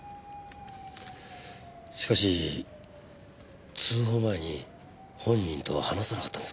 しかし通報前に本人とは話さなかったんですか？